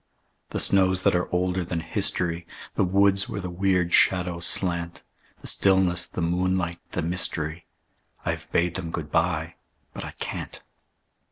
The snows that are older than history, The woods where the weird shadows slant; The stillness, the moonlight, the mystery, I've bade 'em good by but I can't.